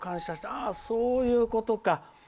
ああ、そういうことか。